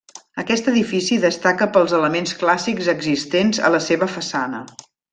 Aquest edifici destaca pels elements clàssics existents a la seva façana.